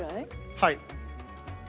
はい。